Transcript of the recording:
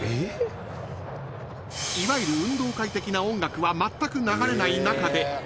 ［いわゆる運動会的な音楽はまったく流れない中で］